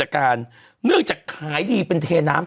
แอลกนี้แอลกนี้ชื่อชอบพี่หนุ่มกัญชัยนะคะ